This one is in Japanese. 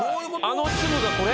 あの粒がこれ？